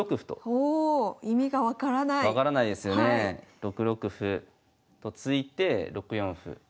６六歩と突いて６四歩。